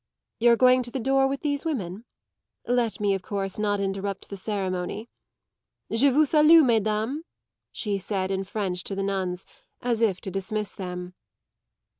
"You're going to the door with these women? Let me of course not interrupt the ceremony. Je vous salue, mesdames," she added, in French, to the nuns, as if to dismiss them.